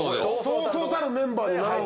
そうそうたるメンバーに並んだ。